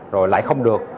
rồi lại không được